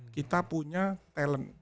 kita punya talent